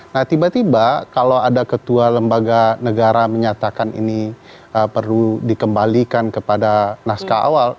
nah tiba tiba kalau ada ketua lembaga negara menyatakan ini perlu dikembalikan kepada naskah awal